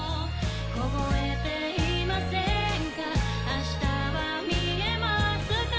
凍えていませんか？